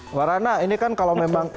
mbak rana ini kan kalau memang